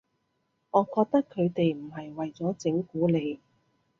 我覺得佢哋唔係為咗整蠱你